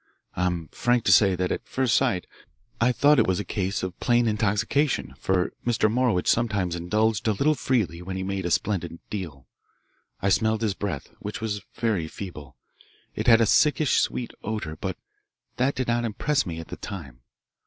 I'm frank to say that at first sight I thought it was a case of plain intoxication, for Mr. Morowitch sometimes indulged a little freely when he made a splendid deal. I smelled his breath, which was very feeble. It had a sickish sweet odour, but that did not impress me at the time.